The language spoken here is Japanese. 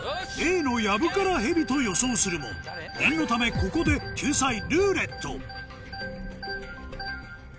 Ａのやぶから蛇と予想するも念のためここで救済「ルーレット」